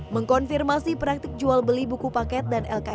mengkonfirmasi praktik jual beli buku paket dan lkp